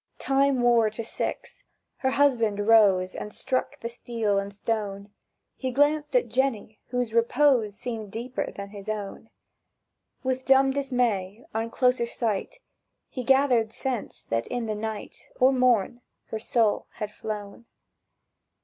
Time wore to six. Her husband rose And struck the steel and stone; He glanced at Jenny, whose repose Seemed deeper than his own. With dumb dismay, on closer sight, He gathered sense that in the night, Or morn, her soul had flown.